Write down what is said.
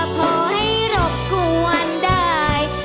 พอให้รบกวนได้